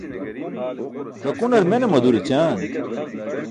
Ẓakunar mene madur ećaan.